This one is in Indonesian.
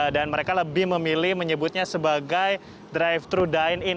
dan mereka lebih memilih menyebutnya sebagai drive thru dine in